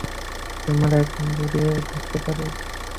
তোমায় এখন জড়িয়ে ধরতে পারি।